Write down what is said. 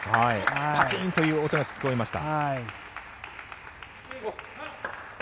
パチンという音が聞こえました。